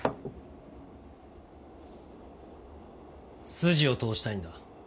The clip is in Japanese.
筋を通したいんだ。